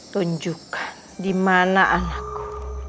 tunjukkan di mana anakku